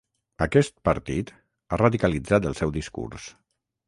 Aquest partit ha radicalitzat el seu discurs.